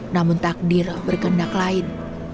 namun takdir berkendak lain